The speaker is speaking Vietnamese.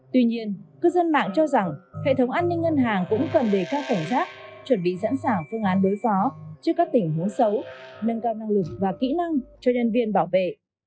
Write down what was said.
tuy nhiên cư dân mạng cho rằng hệ thống an ninh ngân hàng cũng cần đề cao cảnh giác chuẩn bị sẵn sàng phương án đối phó trước các tình huống xấu nâng cao năng lực và kỹ năng cho nhân viên bảo vệ